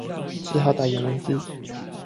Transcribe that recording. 只好打顏文字